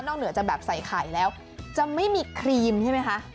เหนือจากแบบใส่ไข่แล้วจะไม่มีครีมใช่ไหมคะ